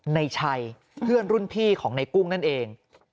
ในชัยเพื่อนรุ่นพี่ของในกุ้งนั่นเอง